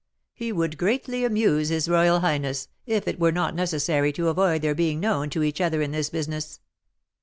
He would greatly amuse his royal highness, if it were not necessary to avoid their being known to each other in this business."